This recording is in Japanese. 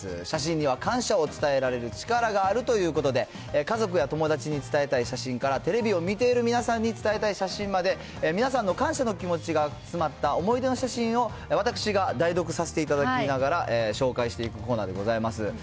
写真には感謝を伝えられる力があるということで、家族や友達に伝えたい写真から、テレビを見ている皆さんに伝えたい写真まで、皆さんの感謝の気持ちが詰まった思い出の写真を、私が代読させていただきながら、紹介していくコーナーでございます。